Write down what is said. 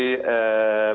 ada satu lagi